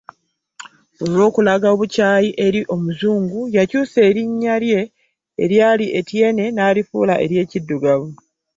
Olw’okulaga obukyayi eri Omuzungu, yakyusa erinnya lye eryali Etienne n’alifuula ery’ekiddugavu.